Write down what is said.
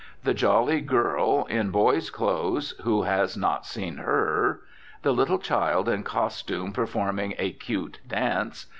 The jolly girl in boy's clothes (who has not seen her?). The little child in costume performing a cute dance.